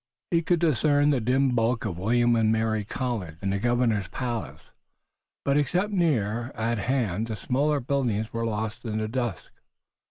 He could discern the dim bulk of William and Mary College and of the Governor's Palace, but except near at hand the smaller buildings were lost in the dusk.